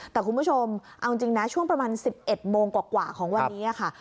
แต่คุณผู้ชมเอาจริงนะช่วงประมาณ๑๑โมงกว่าของวันนี้ค่ะ